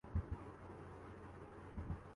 theory ہرگز کسی مفروضے پہ